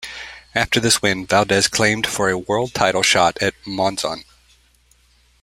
After this win, Valdez claimed for a world title shot at Monzon.